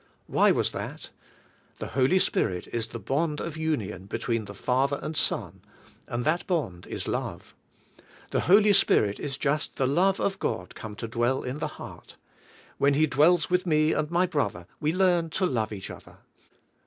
Why was that? The Holy Spirit is the bond of union between the Father and Son; and that bond is love. The Holy Spirit is just the love of God come to dwell in the heart. When He dwells with me and my brother we learn to love each other.